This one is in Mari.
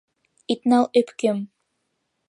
Ит нал öпкем